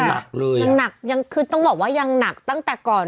การละสินค่ะคือต้องบอกว่ายังหนักตั้งแต่ก่อน